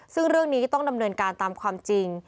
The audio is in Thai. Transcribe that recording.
ซึ่งเรื่องนี้ต้องดำเนินการตามความจริง